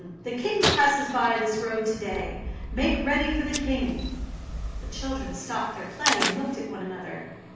the King passes by this road to day. Make ready for the King!" The children stopped their play, and looked at one another.